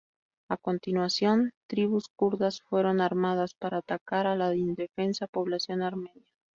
A continuación, tribus kurdas fueron armadas para atacar a la indefensa población armenia.